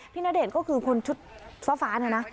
ณเดชน์ก็คือคนชุดฟ้าเนี่ยนะ